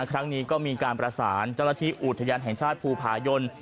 ครั้งนี้ก็มีการประสานเจ้าหน้าที่อุทยานแห่งชาติภูผายน